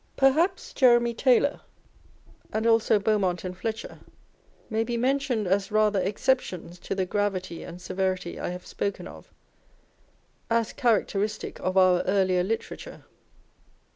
Perhaps Jeremy Taylor and also Beaumont and Fletcher may be mentioned as rather exceptions to the gravity and severity I have spoken of as characteristic of our earlier literature.